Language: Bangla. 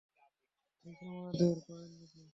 ঠিক আমাদের পায়ের নিচে।